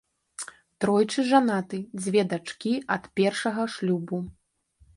Тройчы жанаты, дзве дачкі ад першага шлюбу.